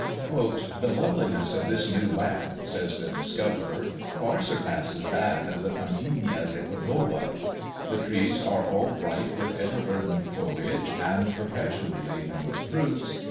"The loveliness of this new land," says the discoverer, "far surpasses that of the Campina de Cordoba. The trees are all bright with ever verdant foliage, and perpetually laden with fruits.